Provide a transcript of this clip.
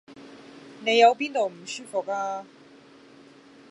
你有邊度唔舒服呀？